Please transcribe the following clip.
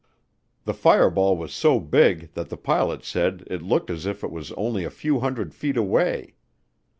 The fireball was so big that the pilot said it looked as if it was only a few hundred feet away.